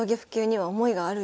はい。